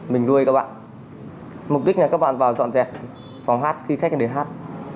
mình nuôi các bạn mục đích là các bạn vào dọn dẹp phòng hát khi khách đến hát